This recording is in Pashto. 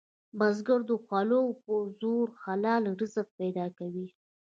بزګر د خولو په زور حلال رزق پیدا کوي